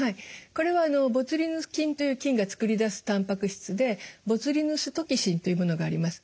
これはボツリヌス菌という菌が作り出すたんぱく質でボツリヌストキシンというものがあります。